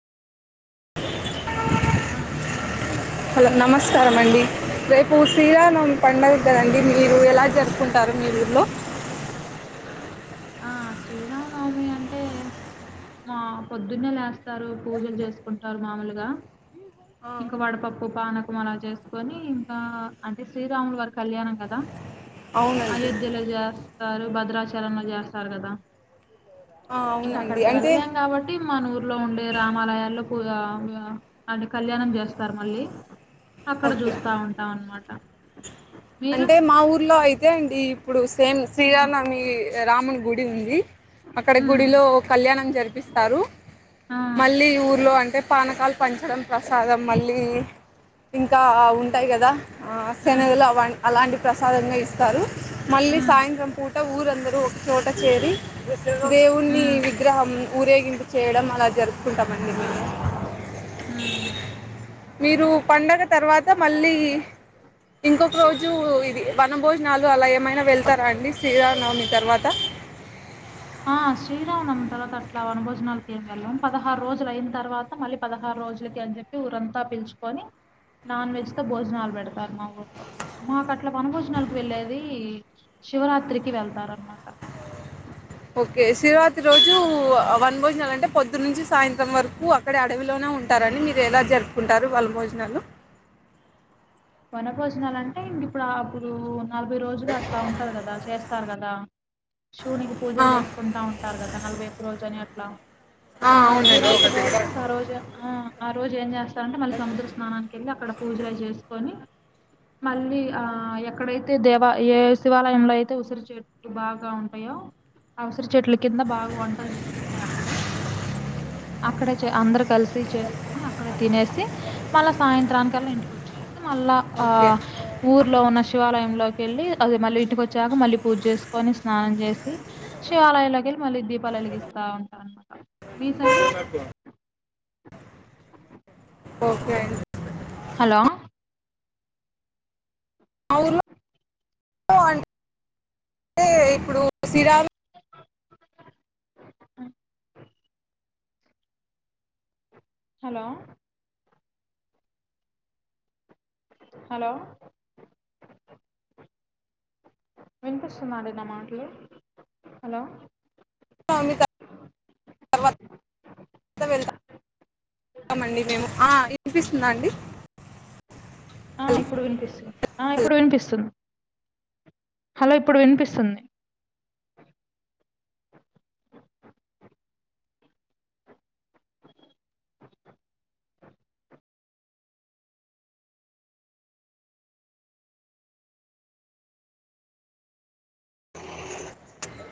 ఆ చెప్పండి హలో నమస్కారం అండి రేపు ఉసీరానుం పన్నది నమ్ తండి మీరు నువ్వు ఎలా జరుసుకుంటారు మీ ఊరిలో ఆ శ్రీరామనవమి అంటే మా పొద్దున్నే లేస్తారు పూజలు చేసుకుంటారు మామూలుగా ఇంకా వాడపాప్పు పానకం అలా చేసుకొని ఇంకా అంటే శ్రీరాములు వారి కళ్యాణం కదా అవునండి అయోధ్యలో జస్ తారు భద్రాచలంలో చేస్తారు సార్ కదా ఆ, ఇంక అవునండి అక్కడికి అంటే వెళ్ళలేం కాబట్టి మాన ఊర్లో ఉండే రామాలయాల్లో కువా ఉవా అంటే కళ్యాణం చేస్తారు మళ్ళీ అక్కడ ఓకే అ చూస్తా ఉంటాం అన్నమాట మీరు అంటే మా ఊర్లో అయితే అండి ఇప్పుడు సేమ్ ఉమ్, శ్రీరామనవమి రాము గుడి ఉంది అక్కడ ఉమ్, గుడిలో కళ్యాణం జరిపిస్తారు ఆ, మళ్ళీ ఊర్లో అంటే పానకాలు పంచడం ప్రసాదం మల్లి ఇంకా ఉంటాయి కదా ఆ ఉమ్, సెనగలు ఆ అలాంటి ప్రసాదాన్ని ఇస్తారు మళ్ళీ ఉమ్, సాయంత్రం పూట ఊరందరూ ఒక చోట చేరి దేవుణి ఉమ్, విగ్రహం ఊరేగింపు చేయడం అలా జరు కుంటామండి మేము మ్మ్ మీరు పండగా తర్వాత మళ్ళీ ఇంకొక రోజు ఇది వన భోజనాలు అలా ఏమైనా వెళ్తారా అండి శ్రీరామానవమి తర్వాత ఆ శ్రీరామనవమి తర్వాత అట్లా వనభోజనాలకి ఏం వెళ్ళం పదహారు రోజులు అయిన తర్వాత మళ్ళీ పదహారు రోజులకి అని చెప్పి ఊరంతా పిలుచుకొని నాన్ వెజ్ తో భోజనాలు పెడతారు. మా ఊర్లో మాకు అట్లా వనభోజనాలకు వెళ్ళేది శివరాత్రికి వెళ్తారు అనమాట ఓకే శివరాత్రి రోజు వనభోజనాలు అంటే పొద్దు నుంచి సాయంత్రం వరకు అక్కడ అడవిలోనే ఉంటారండి మీరు ఎలా జరుపుకుంటారు వనభోజనాలు వనభోజనాలు అంటే ఇంకా ఇప్పుడు అప్పుడు నలభై రోజులు అట్లా ఉంటారు కదా చేస్తారు కదా దా శివునికి ఆ, పూజలు చేసుకుంటా ఉంటారు కదా నలభై ఒక్క రోజు అని అట్లా ఆ శివరాత్రి రోజు ఇంకా రోజు ఆ ఆ రోజు ఏం చేస్తా స అంటే మళ్ళ సముద్ర స్నానానికి వెళ్లి అక్కడ పూజలు చేసి కొని మళ్ళీ ఆ ఎక్కడైతే దేవ ఏ శివాలయంలో అయితే ఉసిరి చెట్లు బాగా ఉంటాయో ఆ ఉసిరి చెట్ల కింద బాగా వంటలు చేసుకుంటారు అక్కడే అక్కడ అందరు కలిసి చేసుకొని అక్కడ తినేసి మళ్ళా సాయంత్రానికల్లా ఇంటికి వచ్చ చేసా మళ్ళా ఆ ఓకే ఊర్లో ఉన్న శివాలయంలోకి వెళ్ళి అది మళ్ళీ ఇంటికి వచ్చాక మళ్ళీ పూజ చేసుకొని స్నానం చేసి శివాలయంలోకి వెళ్ళి మళ్ళీ దీపాల ఎలిగిస్తా ఉంటా అన్నమాట మీ సైడ్ [inaudible] ఓకే హలో మా ఊర్లో అంటే ఇప్పుడు సిరాలు హలో హలో వినిపిస్తుద అండి నా మాటలు హలో స్వామి తలవాలా తర్వాత వెతామండి మేము ఆ వినిపిస్తుందా అండి ఆ హలో ఇప్పుడు వినిపిస్తుంది ఆ ఇప్పుడు వినిపిస్తుంది హలో ఇప్పుడు వినిపిస్తుంది